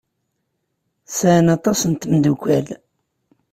Sɛan aṭas n tmeddukal.